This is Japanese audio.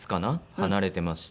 離れてまして。